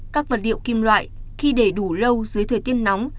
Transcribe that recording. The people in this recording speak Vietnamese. các vật liệu kim loại khi để đủ lâu dưới thời tiết nóng